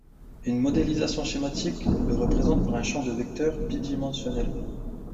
Une modélisation schématique le représente par un champ de vecteurs bi-dimensionnel.